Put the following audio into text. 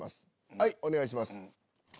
はいお願いします。